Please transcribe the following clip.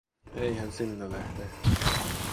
Ei hän sinne lähde.